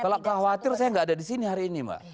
kalau khawatir saya nggak ada di sini hari ini mbak